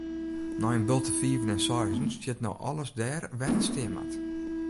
Nei in bulte fiven en seizen stiet no alles dêr wêr't it stean moat.